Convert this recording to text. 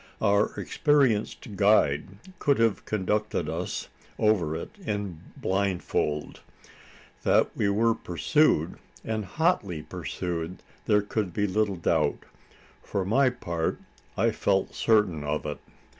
Our experienced guide could have conducted us over it blindfold. That we were pursued, and hotly pursued, there could be little doubt. For my part, I felt certain of it.